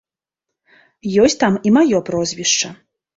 Ёсць там і маё прозвішча.